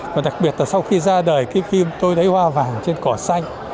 và đặc biệt là sau khi ra đời phim tôi đấy hoa vàng trên cỏ xanh